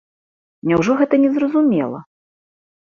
Няўжо гэта не зразумела?